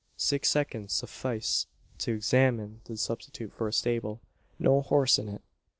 Six seconds suffice to examine the substitute for a stable. No horse in it.